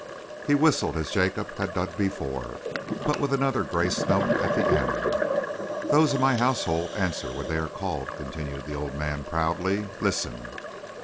He whistled as Jacob had done before, but with another grace note at the end. "Those of my household answer when they are called," continued the old man proudly. "Listen!"